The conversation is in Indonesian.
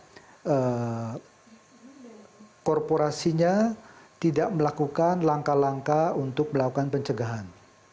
karena korporasinya tidak melakukan langkah langkah untuk melakukan pencegahan